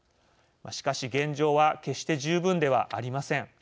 しかし現状は決して十分ではありません。